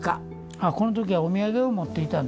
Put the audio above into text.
あこの時はお土産を持っていたんだ。